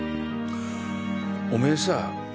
おめぇさ